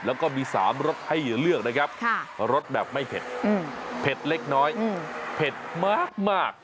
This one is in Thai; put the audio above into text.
แล้วก็มี๓รสให้เลือกนะครับรสแบบไม่เผ็ดเผ็ดเล็กน้อยเผ็ดมาก